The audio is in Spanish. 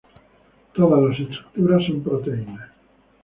Todas las estructuras son proteicas.